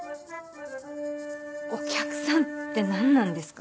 お客さんって何なんですか？